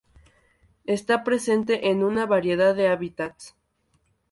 Está presente en una gran variedad de hábitats.